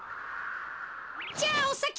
じゃあおさき。